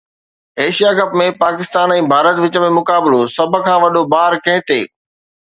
Asia cup ۾ Pakistan ۽ Bharat وچ ۾ مقابلو، سڀ کان وڏو بار ڪنهن تي؟